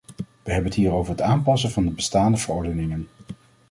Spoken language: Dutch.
We hebben het hier over het aanpassen van de bestaande verordeningen.